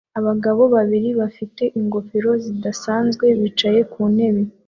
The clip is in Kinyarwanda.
Abagabo babiri bafite ingofero zidasanzwe bicaye ku ntebe